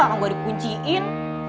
orang gue dikunciin